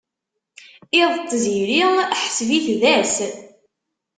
Iḍ n tziri, ḥseb-it d ass.